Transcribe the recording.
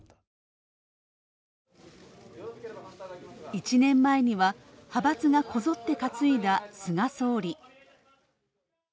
１年前には派閥がこぞって担いだ菅総理。